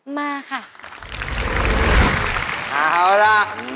มาค่ะ